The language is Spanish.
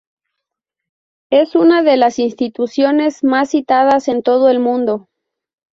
Es una de las instituciones más citadas en todo el mundo.